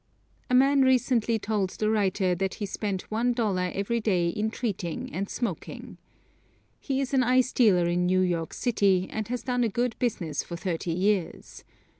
A man recently told the writer that he spent one dollar every day in treating and smoking. He is an ice dealer in New York City, and has done a good business for thirty years.